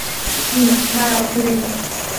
হুম, দাঁড়াও ভেবে নেই।